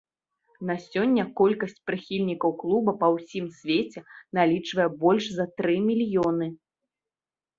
На сёння колькасць прыхільнікаў клуба па ўсім свеце налічвае больш за тры мільёны.